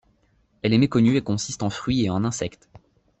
Elle est méconnue et consiste en fruits et en insectes.